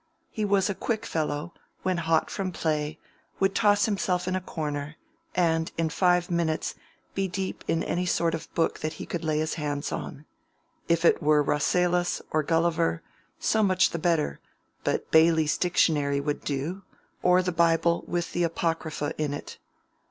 He was a quick fellow, and when hot from play, would toss himself in a corner, and in five minutes be deep in any sort of book that he could lay his hands on: if it were Rasselas or Gulliver, so much the better, but Bailey's Dictionary would do, or the Bible with the Apocrypha in it.